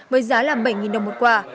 với giá là bảy đồng một quả